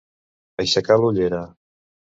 Aixecar la ullera.